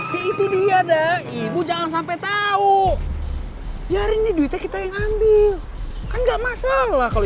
ya itu dia dah ibu jangan sampai tahu nyaringnya duitnya kita yang ambil kan nggak masalah kalau